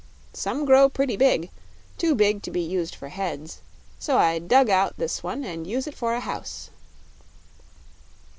Some grow pretty big too big to be used for heads so I dug out this one and use it for a house."